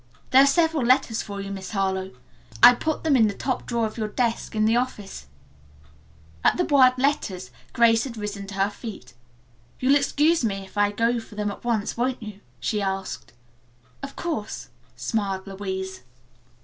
There are several letters for you, Miss Harlowe. I put them in the top drawer of your desk in the office." At the word "letters" Grace had risen to her feet. "You'll excuse me if I go for them at once, won't you?" she asked. "Of course," smiled Louise.